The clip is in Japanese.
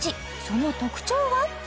その特徴は？